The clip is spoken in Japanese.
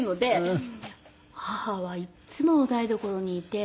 母はいつもお台所にいて。